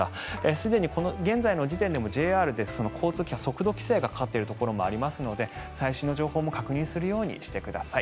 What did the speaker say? すでに現在の時点でもＪＲで交通機関速度規制がかかっているところもありますので最新の情報も確認するようにしてください。